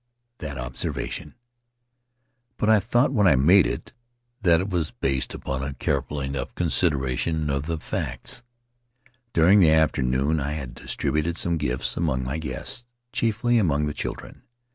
that observation. But I thought when I made it that it was based upon a careful enough consideration of the The Starry Threshold facts. During the afternoon I had distributed some gifts among my guests, chiefly among the children.